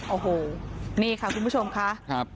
โอ้โหนี่ค่ะคุณผู้ชมค่ะ